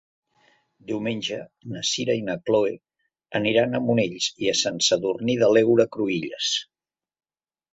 Diumenge na Sira i na Chloé aniran a Monells i Sant Sadurní de l'Heura Cruïlles.